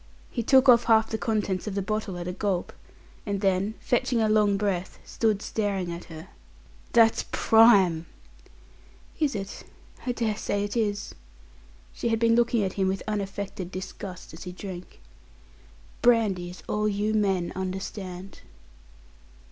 He took off half the contents of the bottle at a gulp, and then, fetching a long breath, stood staring at her. "That's prime!" "Is it? I dare say it is." She had been looking at him with unaffected disgust as he drank. "Brandy is all you men understand."